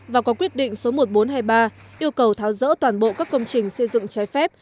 và có quyết định số một nghìn bốn trăm hai mươi ba yêu cầu tháo rỡ toàn bộ các công trình xây dựng trái phép